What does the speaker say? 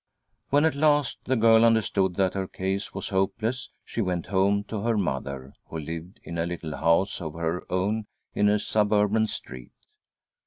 When at last the girl under stood that her case was hopeless she went home to her mother, who lived in a little house of her own in a suburban street.